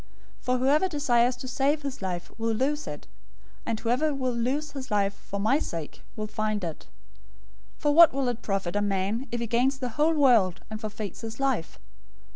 016:025 For whoever desires to save his life will lose it, and whoever will lose his life for my sake will find it. 016:026 For what will it profit a man, if he gains the whole world, and forfeits his life?